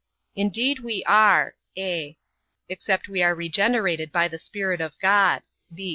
Indeed we are; (a) except we are regenerated by the Spirit of God.